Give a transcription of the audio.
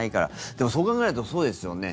でも、そう考えるとそうですよね。